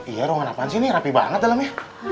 iya ruangan apaan sih ini rapi banget dalamnya